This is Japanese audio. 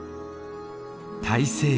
大西洋。